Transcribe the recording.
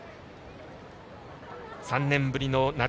３年ぶりの夏